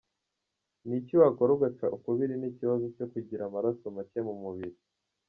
Ni iki wakora ugaca ukubiri n’ikibazo cyo kugira amaraso make mu mubiri?.